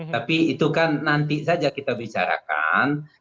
tapi itu kan nanti saja kita bicarakan